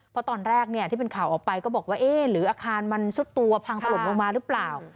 เพราะตอนแรกเนี่ยที่เป็นข่าวออกไปก็บอกว่าเอ๊ะหรืออาคารมันซุดตัวพังถล่มลงมาหรือเปล่า